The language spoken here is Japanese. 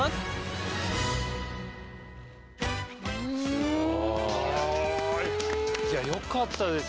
すごい！いやよかったです。